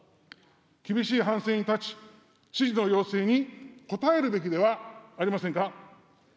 厳しい反省に立ち、知事の要請に応えるべきではありませんか。